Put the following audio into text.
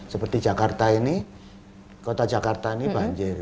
seperti jakarta ini kota jakarta ini banjir